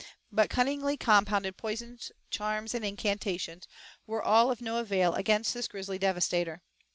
But cunningly compounded poisons, charms, and incantations were all of no avail against this grizzly devastator.